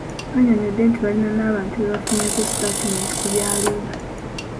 Annyonnyodde nti balina n'abantu be bafunyeeko sitaatimenti ku byaliwo.